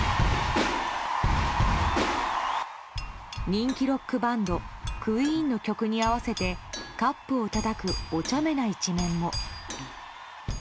人気ロックバンドＱＵＥＥＮの曲に合わせてカップをたたくおちゃめな一面も。